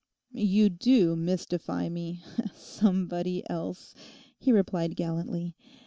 'You do mystify me—"somebody else"!' he replied gallantly.